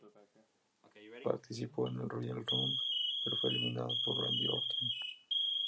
Participó en el "Royal Rumble", pero fue eliminado por Randy Orton.